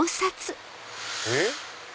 えっ？